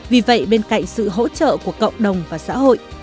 vì vậy bên cạnh sự hỗ trợ của cộng đồng và xã hội